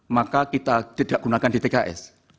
maka kita tidak menggunakan dtks